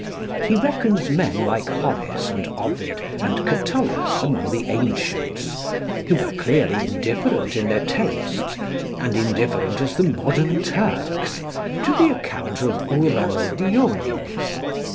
He reckons men like Horace and Ovid and Catullus, among the ancients, who were clearly indifferent in their tastes (as indifferent as the modern Turks) to the account of Uranodionings.